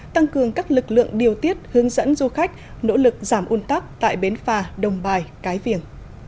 tăng cường các lực lượng điều tiết hướng dẫn du khách nỗ lực giảm ủn tắc tại bến phà đồng bài cái viện